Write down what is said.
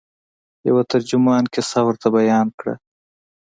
یوه ترجمان کیسه ورته بیان کړه.